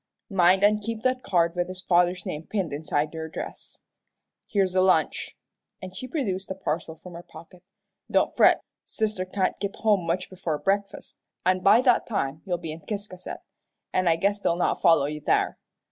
Mind an' keep that card with his father's name pinned inside your dress. Here's a lunch," and she produced a parcel from her pocket. "Don't fret, sister can't git home much before breakfast, an' by that time you'll be in Ciscasset, an' I guess they'll not follow you there.